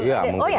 ya mungkin ya